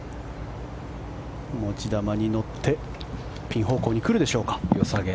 持ち球に乗ってピン方向に来るでしょうか。